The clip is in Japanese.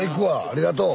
ありがとう。